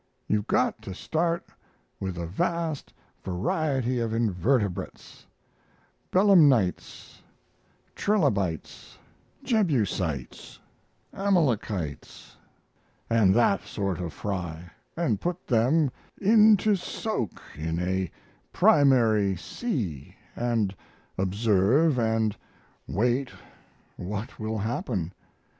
You've got to start with a vast variety of invertebrates, belemnites, trilobites, jebusites, amalekites, and that sort of fry, and put them into soak in a primary sea and observe and wait what will happen.